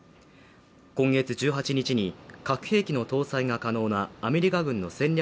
今月１８日に核兵器の搭載が可能なアメリカ軍の戦略